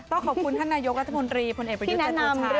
ต้องขอบคุณท่านนายกอัตโธมรีผลเอกประยุทธิ์จัดโทชาติ